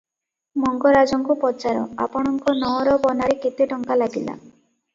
ମଙ୍ଗରାଜଙ୍କୁ ପଚାର, ଆପଣଙ୍କ ନଅର ବନାରେ କେତେଟଙ୍କା ଲାଗିଲା?